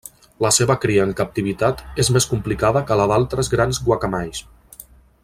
La seva cria en captivitat és més complicada que la d'altres grans guacamais.